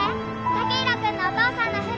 剛洋君のお父さんの船。